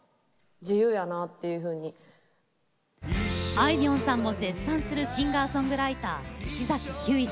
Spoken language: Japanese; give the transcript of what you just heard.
あいみょんさんも絶賛するシンガーソングライター石崎ひゅーいさん。